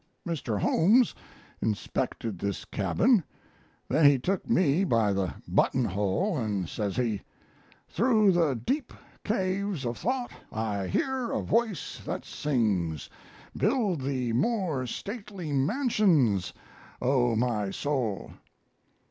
Mr. Holmes inspected this cabin, then he took me by the buttonhole and says he: "'Through the deep caves of thought I hear a voice that sings, "Build thee more stately mansions, O my soul!"'